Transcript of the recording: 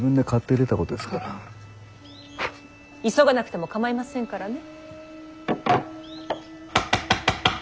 急がなくても構いませんからね。